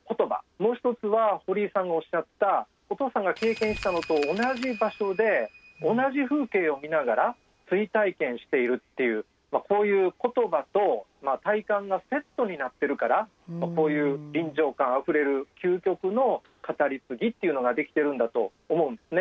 もう一つは堀井さんがおっしゃったお父さんが経験したのと同じ場所で同じ風景を見ながら追体験しているっていうこういう言葉と体感がセットになってるからこういう臨場感あふれる究極の語り継ぎっていうのができてるんだと思うんですね。